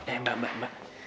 eh mbak mbak mbak